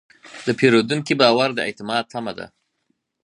د پیرودونکي باور د اعتماد تمه ده.